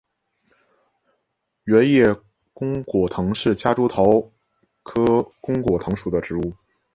圆叶弓果藤是夹竹桃科弓果藤属的植物。